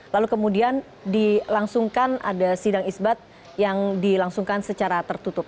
lalu kemudian dilangsungkan ada sidang isbat yang dilangsungkan secara tertutup